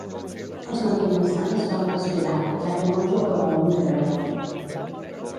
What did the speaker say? Els mequinensans vam respirar, ja que no ens ho acabàvem de creure.